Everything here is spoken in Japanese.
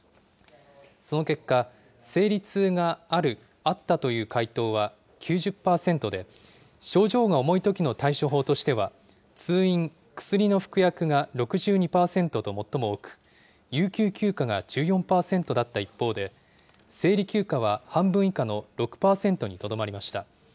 その結果、生理痛がある・あったという回答は９０％で、症状が重いときの対処法としては、通院・薬の服薬が６２％と最も多く、有給休暇が１４％だった一方で、生理休暇は半分以下の６％にとどまりました。